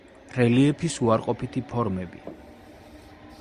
რელიეფის უარყოფითი ფორმები.